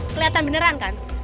kelihatan beneran kan